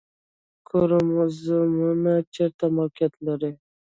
کروموزومونه چیرته موقعیت لري؟